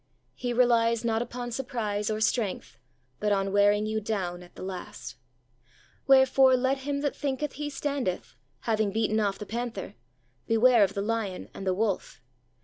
He relies not upon surprise or strength, but on wearing you down at the last. Wherefore, let him that thinketh he standeth having beaten off the panther beware of the lion and the wolf.